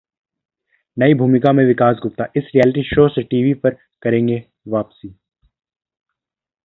नई भूमिका में विकास गुप्ता, इस रियलिटी शो से टीवी पर करेंगे वापसी